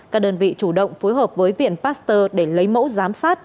các đơn vị chủ động phối hợp với viện pasteur để lấy mẫu giám sát